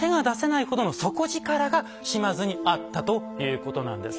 が島津にあったということなんです。